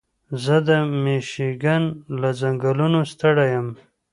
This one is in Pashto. زه د مېشیګن له ځنګلونو ستړی یم.